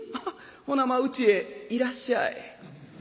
ほなまあうちへいらっしゃい」。